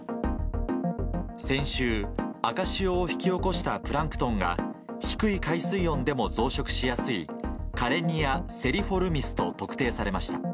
先週、赤潮を引き起こしたプランクトンが、低い海水温でも増殖しやすいカレニア・セリフォルミスと特定されました。